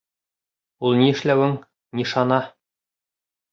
Ул ни эшләүең, нишана?!